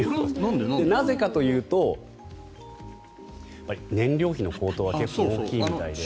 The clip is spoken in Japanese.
なぜかというと燃料費の高騰は結構大きいみたいで。